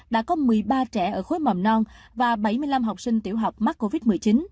đã có một mươi ba trẻ ở khối mầm non và bảy mươi năm học sinh tiểu học mắc covid một mươi chín